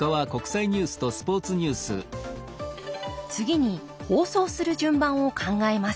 次に放送する順番を考えます。